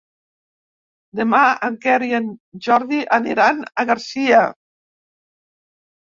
Demà en Quer i en Jordi aniran a Garcia.